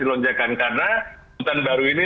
lonjakan karena hutan baru ini